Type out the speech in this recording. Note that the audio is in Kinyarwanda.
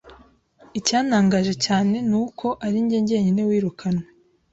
Icyantangaje cyane ni uko ari njye jyenyine wirukanwe.